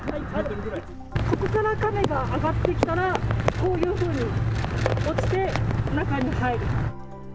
ここからカメが上がってきたらこういうふうに落ちて中に入る。